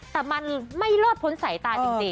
แต่มันไม่รอดพ้นสายตาจริง